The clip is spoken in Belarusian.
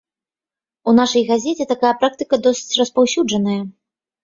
У нашай газеце такая практыка досыць распаўсюджаная.